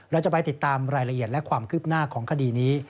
เราจะไปติดตามรายละเอียดและความคืบหน้าของคดีนี้